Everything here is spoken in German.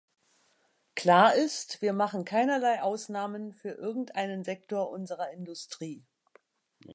Klar ist, wir machen keinerlei Ausnahmen für irgendeinen Sektor unserer Industrie.